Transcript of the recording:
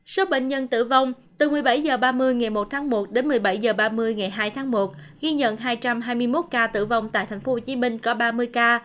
số bệnh nhân tử vong từ một mươi bảy h ba mươi ngày một tháng một đến một mươi bảy h ba mươi ngày hai tháng một ghi nhận hai trăm hai mươi một ca tử vong tại tp hcm có ba mươi ca